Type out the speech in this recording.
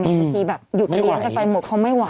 ทุกทีอยู่ที่กันไปหมดไม่ไหว